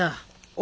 お！